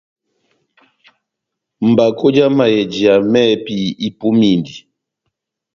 Mbakó já mayɛjiya mɛ́hɛ́pi ipumindi.